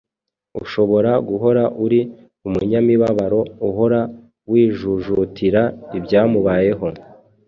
ushobora guhora uri umunyamibabaro uhora wijujutira ibyamubayeho